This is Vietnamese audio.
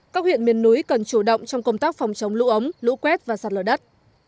các huyện miền núi cần chủ động trong công tác phòng chống lũ ống lũ quét và sạt lở đất